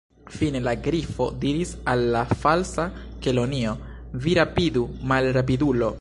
Fine, la Grifo diris al la Falsa Kelonio: "Vi rapidu, malrapidulo! «